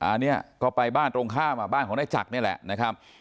อันนี้ก็ไปบ้านตรงข้ามอ่ะบ้านของนายจักรนี่แหละนะครับ